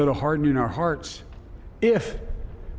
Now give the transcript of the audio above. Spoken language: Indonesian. daripada menggabungkan hati kita